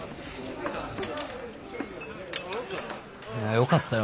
よかったよ。